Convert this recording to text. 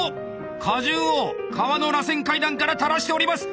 果汁を皮のらせん階段からたらしております！